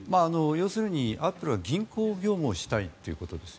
要するにアップルは銀行業務をしたいってことです。